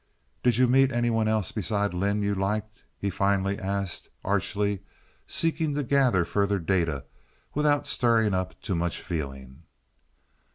"Did you meet any one else besides Lynde you liked?" he finally asked, archly, seeking to gather further data without stirring up too much feeling.